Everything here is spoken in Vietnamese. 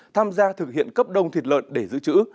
tham gia thực hiện cấp đông thịt lợn để giữ chữ